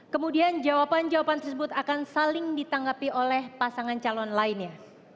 kemudian jawaban jawaban tersebut akan saling ditanggapi oleh pasangan calon lainnya